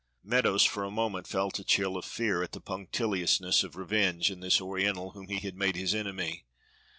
Meadows for a moment felt a chill of fear at the punctiliousness of revenge in this Oriental whom he had made his enemy.